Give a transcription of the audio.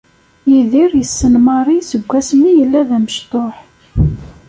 Yidir yessen Mary seg wasmi yella d amecṭuḥ.